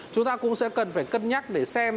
chúng ta cũng sẽ cần phải cân nhắc để xem